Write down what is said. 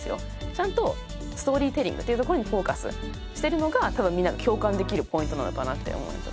ちゃんとストーリーテリングっていうところにフォーカスしてるのが多分みんなが共感できるポイントなのかなって。